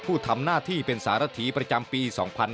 ผู้ทำหน้าที่เป็นสารถีประจำปี๒๕๕๙